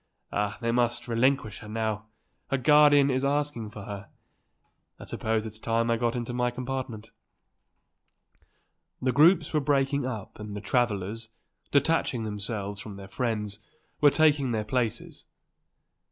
Ah, they must relinquish her now; her guardian is asking for her. I suppose it's time that I got into my compartment." The groups were breaking up and the travellers, detaching themselves from their friends, were taking their places.